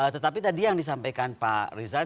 tetapi tadi yang disampaikan pak rizal